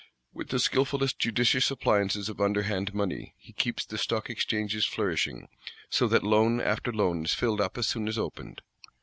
With the skilfulest judicious appliances of underhand money, he keeps the Stock Exchanges flourishing; so that Loan after Loan is filled up as soon as opened.